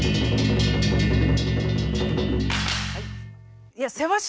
はい。